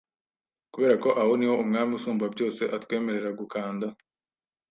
Kuberako aho niho Umwami usumba byose atwemerera gukanda